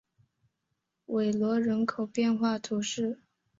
韦罗人口变化图示